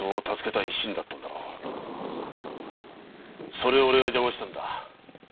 それをオレが邪魔したんだ。